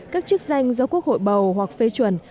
các chức danh do quốc hội bầu hoặc phê chuẩn